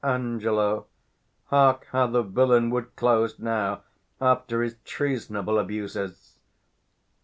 Ang. Hark, how the villain would close now, after his 340 treasonable abuses!